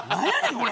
これ。